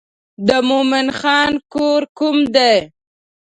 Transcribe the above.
د مومن خان کور کوم دی.